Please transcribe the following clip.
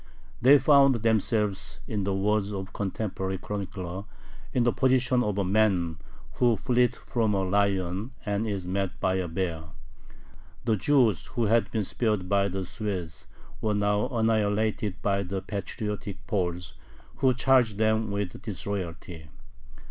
They found themselves, in the words of a contemporary chronicler, in the position of a man who "fleeth from a lion, and is met by a bear." The Jews who had been spared by the Swedes were now annihilated by the patriotic Poles, who charged them with disloyalty.